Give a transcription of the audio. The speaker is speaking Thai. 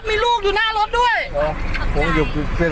เป็นอีกหนึ่งมาตรการที่ช่วยกระตุ้นเศรษฐกิจให้ประชาชนจับจ่ายใช้สอยกันนะครับ